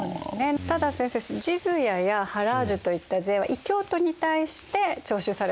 ただ先生ジズヤやハラージュといった税は異教徒に対して徴収されたわけですよね。